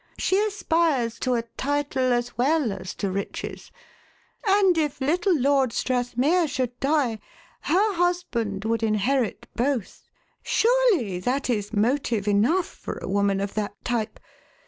She aspires to a title as well as to riches, and if little Lord Strathmere should die, her husband would inherit both. Surely that is 'motive' enough for a woman of that type.